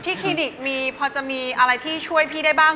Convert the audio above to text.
คลินิกมีพอจะมีอะไรที่ช่วยพี่ได้บ้าง